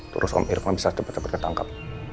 terus om irman bisa cepat cepat ketangkap